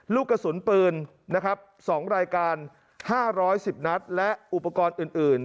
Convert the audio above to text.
ลูกกระสุนปืนนะครับ๒รายการ๕๑๐นัดและอุปกรณ์อื่น